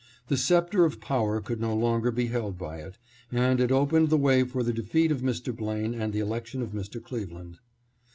The scepter of power could no longer be held by it, and it opened the way for the defeat of Mr. Blaine and the election of Mr. Cleveland.